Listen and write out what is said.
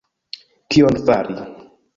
Kion fari!